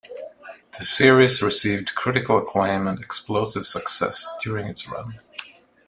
The series received critical acclaim and explosive success during its run.